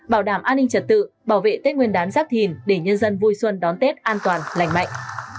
bảo đảm an ninh trật tự bảo vệ tết nguyên đán giáp thìn để nhân dân vui xuân đón tết an toàn lành mạnh